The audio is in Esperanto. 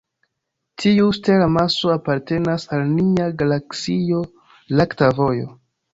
Tiu stel-amaso apartenas al nia galaksio lakta vojo.